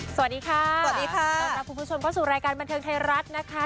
สวัสดีค่ะสวัสดีค่ะต้อนรับคุณผู้ชมเข้าสู่รายการบันเทิงไทยรัฐนะคะ